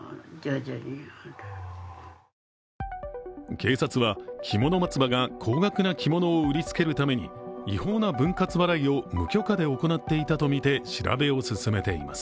警察はきもの松葉が高額な着物を売りつけるために違法な分割払いを無許可で行っていたとみて調べを進めています。